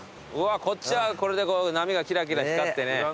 うわこっちはこれでこう波がきらきら光ってね。